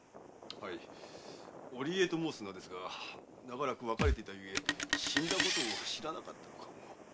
はい「織江」と申す名ですが長らく別れていたゆえ死んだことを知らなかったのかも。